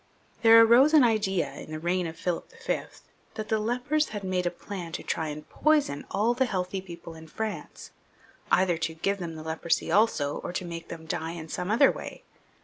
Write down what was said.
There arose an idea in the reign of Philip V. that the lepers had made a plan to try and poison all the healthy people in France, either to give them the leprosy also, or to make them die some other way.